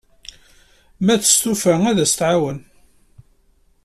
Ma testufa, ad t-tɛawen.